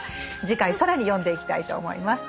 次回更に読んでいきたいと思います。